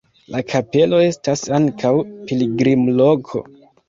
La kapelo estas ankaŭ pilgrimloko.